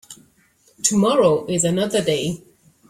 Tomorrow is another day.